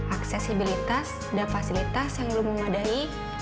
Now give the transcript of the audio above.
aksesibilitas dan fasilitas yang belum memadai